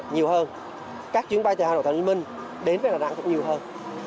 nhiều hơn các chuyến bay từ hà nội hà nội hà nội đến đà nẵng cũng nhiều hơn